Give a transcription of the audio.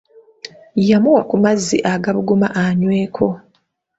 Yamuwa ku mazzi agabuguma anyweko.